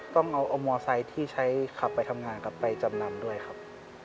ต้องเอามอไซค์ที่ใช้ขับไปทำงานกลับไปจำนำด้วยครับ